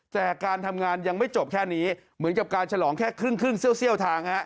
แต่การทำงานยังไม่จบแค่นี้เหมือนกับการฉลองแค่ครึ่งเซี่ยวทาง